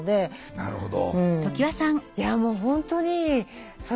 なるほど。